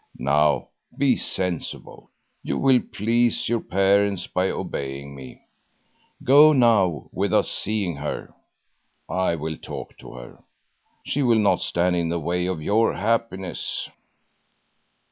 Now be sensible; you will please your parents by obeying me. Go now, without seeing her! I will talk to her. She will not stand in the way of your happiness.